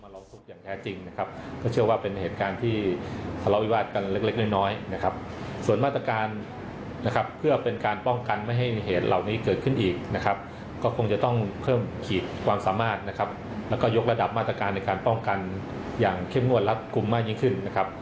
แล้วก็ยกระดับมาตรการในการป้องกันอย่างเข้มงวดรัดกลุ่มมากยิ่งขึ้น